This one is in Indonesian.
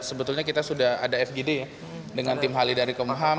sebetulnya kita sudah ada fgd ya dengan tim halidari kmu ham